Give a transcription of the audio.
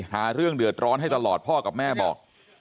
หาเรื่องเดือดร้อนให้ตลอดพ่อกับแม่บอก